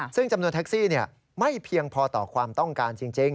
ซึ่งจำนวนแท็กซี่ไม่เพียงพอต่อความต้องการจริง